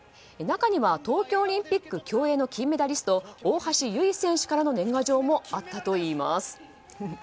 中には東京オリンピック競泳の金メダリスト大橋悠依選手からの年賀状もあったといいます。